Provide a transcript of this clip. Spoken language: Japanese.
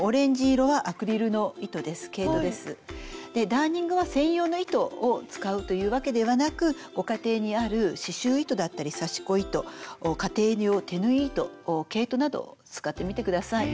ダーニングは専用の糸を使うというわけではなくご家庭にある刺しゅう糸だったり刺し子糸家庭用手縫い糸毛糸など使ってみてください。